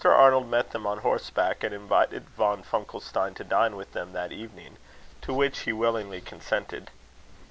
Arnold met them on horseback, and invited Von Funkelstein to dine with them that evening, to which he willingly consented.